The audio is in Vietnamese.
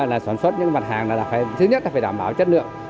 là sản xuất những mặt hàng là thứ nhất là phải đảm bảo chất lượng